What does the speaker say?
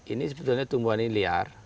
ini sebetulnya tumbuhan ini liar